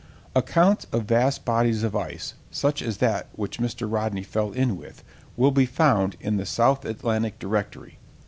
Accounts of vast bodies of ice, such as that which Mr. Rodney fell in with, will be found in the South Atlantic Directory.